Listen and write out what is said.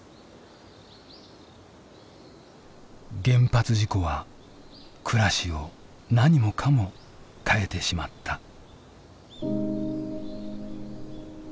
原発事故は暮らしを何もかも変えてしまった。